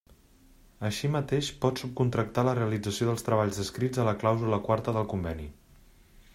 Així mateix pot subcontractar la realització dels treballs descrits a la clàusula quarta del conveni.